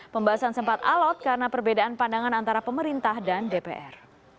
pembahasan sempat alot karena perbedaan pandangan antara pemerintah dan dpr